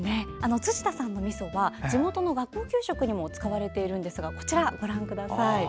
辻田さんのみそは地元の学校給食にも使われているんですけれどもこちらをご覧ください。